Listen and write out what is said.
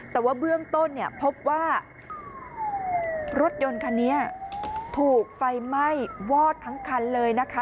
แต่ว่าเบื้องต้นเนี่ยพบว่ารถยนต์คันนี้ถูกไฟไหม้วอดทั้งคันเลยนะคะ